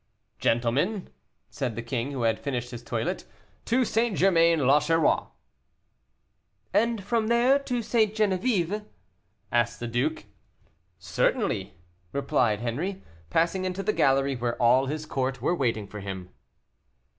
"Gentlemen," said the king, who had finished his toilet, "to St. Germain l'Auxerrois." "And from there to St. Genevieve?" asked the duke. "Certainly," replied Henri, passing into the gallery where all his court were waiting for him.